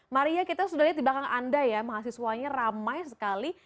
maria kita sudah lihat di belakang anda ya mahasiswanya ramai sekali